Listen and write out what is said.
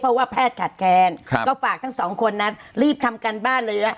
เพราะว่าแพทย์ขาดแค้นก็ฝากทั้งสองคนนั้นรีบทำการบ้านเลยนะ